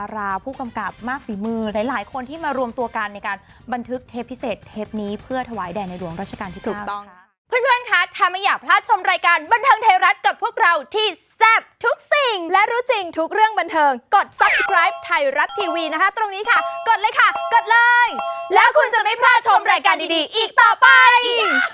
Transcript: แล้วคุณจะไม่พลาดชมรายการดีอีกต่อไป